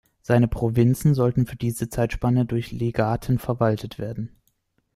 Seine Provinzen sollten für diese Zeitspanne durch Legaten verwaltet werden.